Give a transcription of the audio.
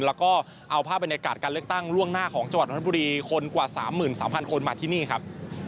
แล้วก็เอาภาพบรรยากาศการเลือกตั้งล่วงหน้าของจังหวัดนทบุรีคนกว่า๓๓๐๐คนมาที่นี่ครับ